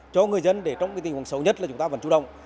cho người dân để trong tình huống xấu nhất là chúng ta vẫn chủ động